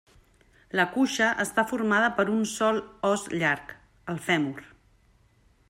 La cuixa està formada per un sol os llarg: el fèmur.